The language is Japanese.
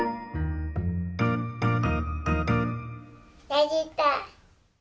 できた！